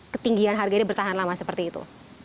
ketinggian harga ini bertahan lama seperti itu